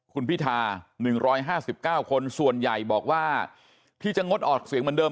คุณพิธา๑๕๙คนส่วนใหญ่บอกว่าที่จะงดออกเสียงเหมือนเดิ